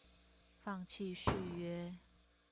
放棄續約